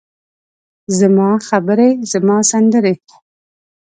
زما خبرې، زما سندرې،